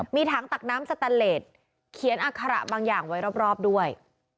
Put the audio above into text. มีถังตักน้ำสแตนเลสเขียนอัคระบางอย่างไว้รอบด้วย